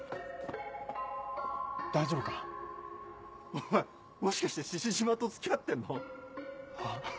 ・大丈夫か？おいもしかして獅子島と付き合ってんの？は？